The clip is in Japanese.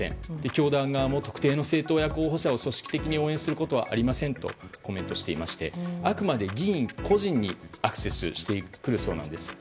教団側も特定の政党や候補者を組織的に応援することはありませんとコメントしていましてあくまで議員個人にアクセスしてくるそうなんです。